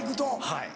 はい。